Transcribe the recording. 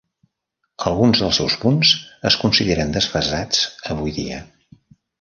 Alguns dels seus punts es consideren desfasats avui dia.